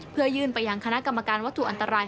เพื่อยื่นไปยังคณะกรรมการวัตถุอันตราย